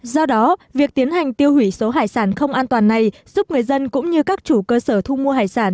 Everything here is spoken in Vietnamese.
do đó việc tiến hành tiêu hủy số hải sản không an toàn này giúp người dân cũng như các chủ cơ sở thu mua hải sản